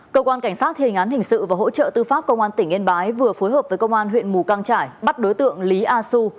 cơ quan cảnh sát thề ngán hình sự và hỗ trợ tư pháp công an tỉnh yên bái vừa phối hợp với công an huyện mù căng trải bắt đối tượng lý a xu